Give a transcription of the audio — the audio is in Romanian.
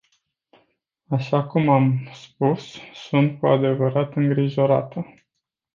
Așa cum am spus, sunt cu adevărat îngrijorată.